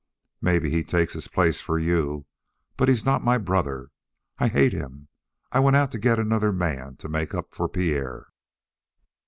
"Maybe he takes his place for you, but he's not my brother I hate him. I went out to get another man to make up for Pierre."